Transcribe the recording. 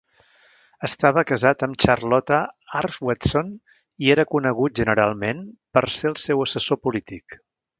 Estava casat amb Charlotta Arfwedson i era conegut generalment per ser el seu assessor polític.